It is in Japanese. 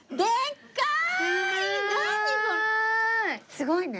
すごいね。